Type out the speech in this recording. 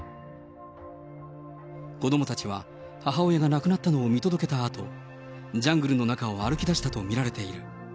子どもたちは母親が亡くなったのを見届けたあと、ジャングルの中を歩きだしたと見られている。